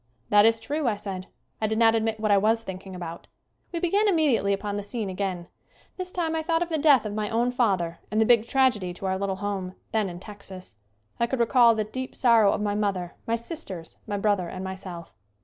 "That is true," I said. I did not admit what I was thinking about. We began immediately upon the scene again. This time I thought of the death of my own father and the big tragedy to our little home, then in Texas. I could recall the deep sorrow of my mother, my sisters, my brother and my self.